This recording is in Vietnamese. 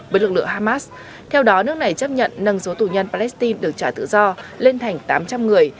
với lực lượng hamas theo đó nước này chấp nhận nâng số tù nhân palestine được trả tự do lên thành tám trăm linh người